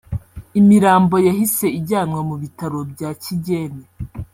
Imirambo yahise ijyanwa mu bitaro bya Kigeme